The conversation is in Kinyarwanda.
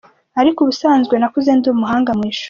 Ariko ubusanzwe nakuze ndi umuhanga mu ishuri.